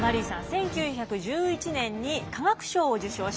１９１１年に化学賞を受賞します。